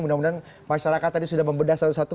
mudah mudahan masyarakat tadi sudah membedah satu satu